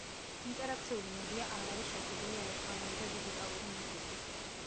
ინტერაქციული მედია არ არის შეზღუდული ელექტრონული და დიგიტალური მედიით.